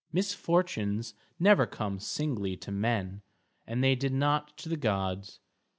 Misfortunes never come singly to men, and they did not to the gods.